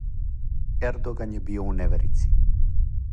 Ердоган је био у неверици.